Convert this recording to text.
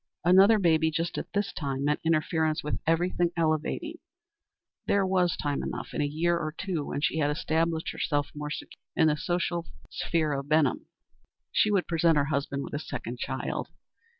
Another baby just at this time meant interference with everything elevating. There was time enough. In a year or two, when she had established herself more securely in the social sphere of Benham, she would present her husband with a second child.